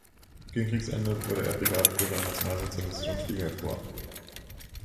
Gegen Kriegsende wurde er Brigadeführer im Nationalsozialistischen Fliegerkorps.